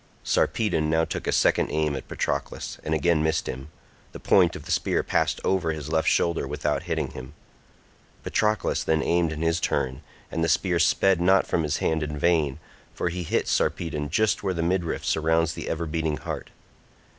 Sarpedon now took a second aim at Patroclus, and again missed him, the point of the spear passed over his left shoulder without hitting him. Patroclus then aimed in his turn, and the spear sped not from his hand in vain, for he hit Sarpedon just where the midriff surrounds the ever beating heart.